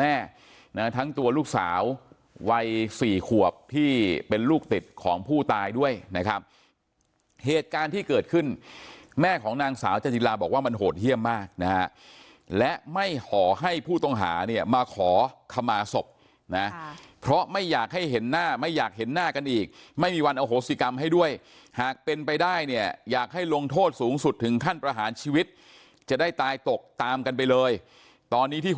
แม่นะทั้งตัวลูกสาววัยสี่ขวบที่เป็นลูกติดของผู้ตายด้วยนะครับเหตุการณ์ที่เกิดขึ้นแม่ของนางสาวจันจิลาบอกว่ามันโหดเยี่ยมมากนะฮะและไม่ขอให้ผู้ต้องหาเนี่ยมาขอขมาศพนะเพราะไม่อยากให้เห็นหน้าไม่อยากเห็นหน้ากันอีกไม่มีวันอโหสิกรรมให้ด้วยหากเป็นไปได้เนี่ยอยากให้ลงโทษสูงสุดถึงขั้นประหารชีวิตจะได้ตายตกตามกันไปเลยตอนนี้ที่